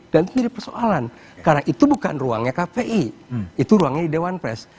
dan ini persoalan karena itu bukan ruangnya kpi itu ruangnya dewan pers